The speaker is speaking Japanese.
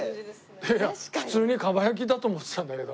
いやいや普通に蒲焼きだと思ってたんだけど。